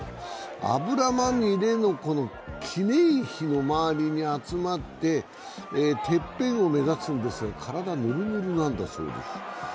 油まみれの記念碑の周りに集まって、てっぺんを目指すんですけど体、ぬるぬるなんだそうです。